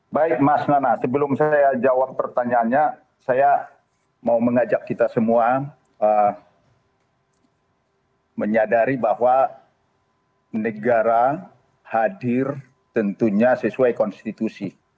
baik mas nana sebelum saya jawab pertanyaannya saya mau mengajak kita semua menyadari bahwa negara hadir tentunya sesuai konstitusi